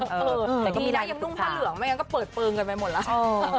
แต่ก็มีหน้ายังนุ่งผ้าเหลืองไม่งั้นก็เปิดเปลืองกันไปหมดแล้ว